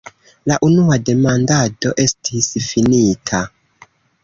La unua demandado estis finita.